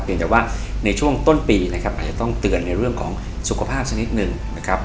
แต่ว่าในช่วงต้นปีนะครับอาจจะต้องเตือนในเรื่องของสุขภาพสักนิดหนึ่งนะครับ